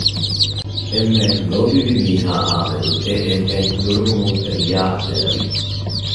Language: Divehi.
އެންމެ ލޯބިވި މީހާއާ މެދު އެ އެންމެން ނުރުހުމުން ރިޔާ ދެރަވި